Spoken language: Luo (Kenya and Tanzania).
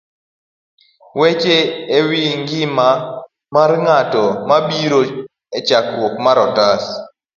Weche e Wi Ngima mar Ng'ato.gibiro e chakruok mar otas